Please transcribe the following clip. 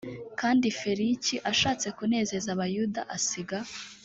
kandi feliki ashatse kunezeza abayuda asiga